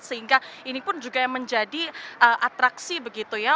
sehingga ini pun juga yang menjadi atraksi begitu ya